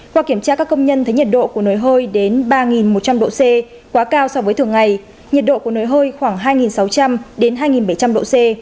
qua kiểm tra các công nhân thấy nhiệt độ của nồi hơi đến ba một trăm linh độ c quá cao so với thường ngày nhiệt độ của nồi hơi khoảng hai sáu trăm linh hai bảy trăm linh độ c